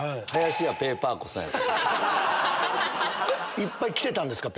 いっぱい来てたんですか？